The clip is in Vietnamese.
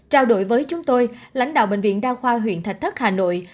trao đổi với chúng tôi lãnh đạo bệnh viện đa khoa huyện thạch thất hà nội